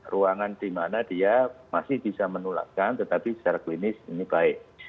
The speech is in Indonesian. ruangan dimana dia masih bisa menulakkan tetapi secara klinis ini baik